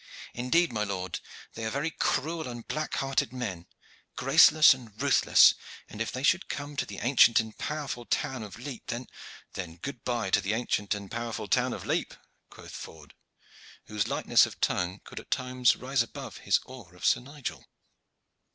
Indeed, my lord, they are very cruel and black hearted men, graceless and ruthless, and if they should come to the ancient and powerful town of Lepe then " "Then good bye to the ancient and powerful town of Lepe," quoth Ford, whose lightness of tongue could at times rise above his awe of Sir Nigel.